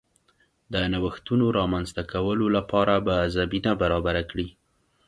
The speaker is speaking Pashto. د نوښتونو رامنځته کولو لپاره به زمینه برابره کړي